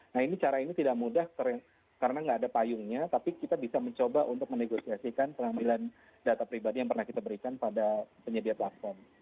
nah ini cara ini tidak mudah karena nggak ada payungnya tapi kita bisa mencoba untuk menegosiasikan pengambilan data pribadi yang pernah kita berikan pada penyedia platform